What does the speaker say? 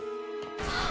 あっ！？